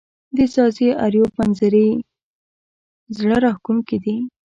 د ځاځي اریوب منظزرې زړه راښکونکې دي